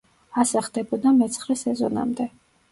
ასე ხდებოდა მეცხრე სეზონამდე.